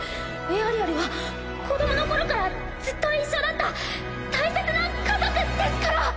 エアリアルは子どもの頃からずっと一緒だった大切な家族ですから！